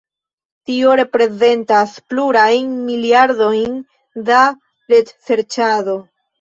Tio reprezentas plurajn miliardojn da retserĉado.